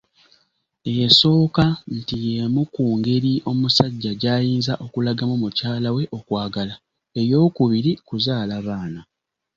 Esooka nti y'emu ku ngeri omusajja gy'ayinza okulagamu mukyala we okwagala, ey'okubiri, kuzaala baana.